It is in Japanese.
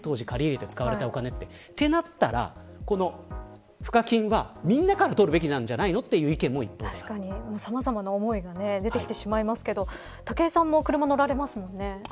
当時借り入れて使われたお金って。となったら、この賦課金は皆から取るべきなんじゃないの確かにさまざまな思いが出てきてしまいますけれど武井さんも車乗られますもんね。